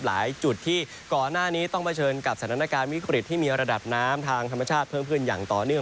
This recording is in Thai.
จุดที่ก่อนหน้านี้ต้องเผชิญกับสถานการณ์วิกฤตที่มีระดับน้ำทางธรรมชาติเพิ่มขึ้นอย่างต่อเนื่อง